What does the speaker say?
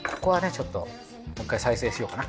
ちょっともっかい再生しようかな。